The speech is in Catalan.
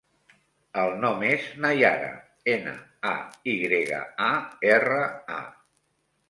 El nom és Nayara: ena, a, i grega, a, erra, a.